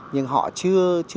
nhưng họ chưa hiểu